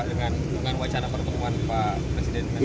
dengan wacana pertemuan pak presiden